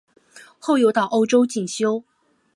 后又到欧洲进修。